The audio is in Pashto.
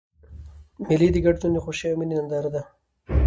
مېلې د ګډ ژوند د خوښۍ او میني ننداره ده.